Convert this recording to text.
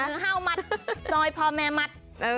ห้าวมัดซอยพ่อแม่มัด